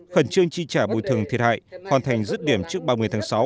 khẩn trương chi trả bồi thường thiệt hại hoàn thành dứt điểm trước ba mươi tháng sáu